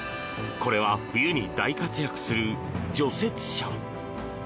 これは冬に大活躍する除雪車。